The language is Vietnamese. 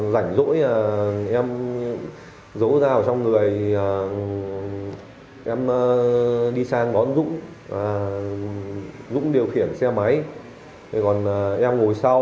rảnh rỗi em dấu ra ở trong người em đi sang ngón dũng dũng điều khiển xe máy còn em ngồi sau